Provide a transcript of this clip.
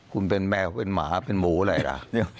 คุณเป็นแมวเป็นหมาเป็นหมูอะไรล่ะ